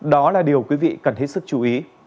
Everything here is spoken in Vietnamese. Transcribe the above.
đó là điều quý vị cần hết sức chú ý